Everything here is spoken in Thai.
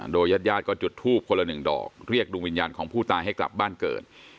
โดยญาติญาติก็จุดทูบคนละหนึ่งดอกเรียกดวงวิญญาณของผู้ตายให้กลับบ้านเกิด